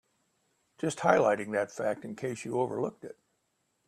Just highlighting that fact in case you overlooked it.